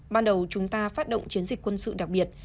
ban đầu chúng ta phát động chiến dịch quân sự đặc biệt